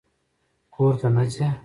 _کور ته نه ځې؟